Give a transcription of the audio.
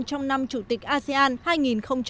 trong năm chủ tịch asean hai nghìn hai mươi